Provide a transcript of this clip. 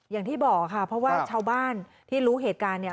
อย่างที่บอกค่ะเพราะว่าชาวบ้านที่รู้เหตุการณ์เนี่ย